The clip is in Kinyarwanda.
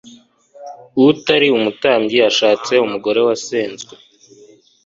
utari umutambyi ashatse umugore wasenzwe